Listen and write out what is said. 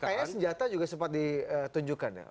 kayaknya senjata juga sempat ditunjukkan ya